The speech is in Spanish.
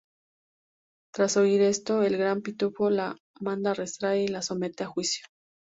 Tras oír esto, el Gran Pitufo la manda arrestar y la somete a juicio.